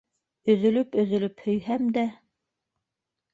Өҙөлөп-өҙөлөп һөйһәм дә.